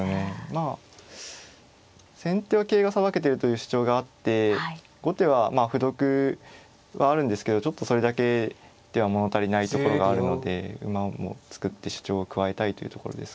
まあ先手は桂がさばけてるという主張があって後手はまあ歩得はあるんですけどちょっとそれだけでは物足りないところがあるので馬も作って主張を加えたいというところですかね。